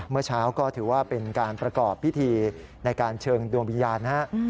เมื่อเช้าก็ถือว่าเป็นการประกอบพิธีในการเชิงดวงวิญญาณนะครับ